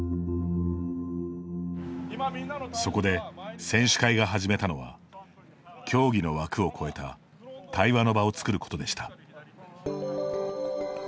そこで選手会が始めたのは競技の枠を超えた対話の場を作ることでした。